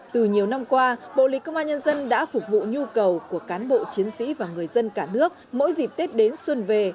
từ nhiều năm qua bộ lịch công an nhân dân đã phục vụ nhu cầu của cán bộ chiến sĩ và người dân cả nước mỗi dịp tết đến xuân về